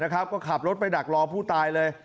ก็ขับรถไปดักรอผู้ตายเลย